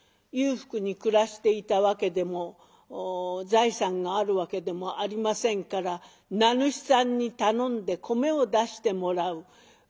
裕福に暮らしていたわけでも財産があるわけでもありませんから名主さんに頼んで米を出してもらう。